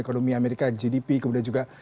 ekonomi amerika gdp kemudian juga